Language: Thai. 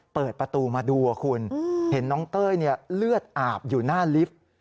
เปิดประตูมาดูคุณเห็นน้องเต้ยเลือดอาบอยู่หน้าลิฟต์